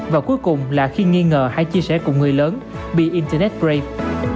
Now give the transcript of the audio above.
và cuối cùng là khi nghi ngờ hãy chia sẻ cùng người lớn be internet brave